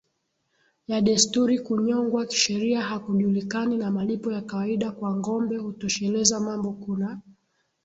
ya desturi Kunyongwa kisheria hakujulikani na malipo ya kawaida kwa ngombe hutosheleza mambo Kuna